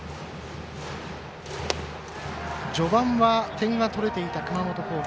序盤は点が取れていた熊本工業。